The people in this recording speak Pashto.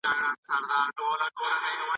نوم مي د ليلا په لاس کي وليدی